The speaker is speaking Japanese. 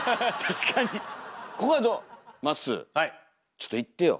ちょっといってよ。